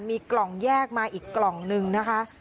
มีกล่องแยกมาอีกกล่องนึงนะคะ